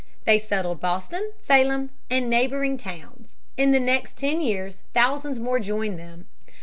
They settled Boston, Salem, and neighboring towns. In the next ten years thousands more joined them.